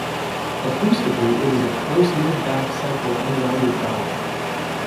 Acoustically it is a "close-mid back-central unrounded vowel".